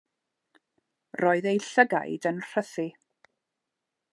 Roedd eu llygaid yn rhythu.